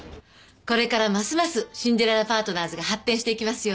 これからますますシンデレラパートナーズが発展していきますように。